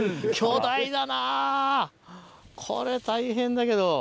これ大変だけど。